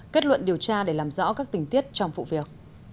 kết luận điều tra để làm rõ các tình tiết trong vụ việc